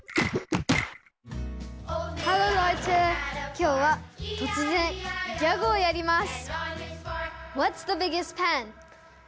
きょうはとつぜんギャグをやります。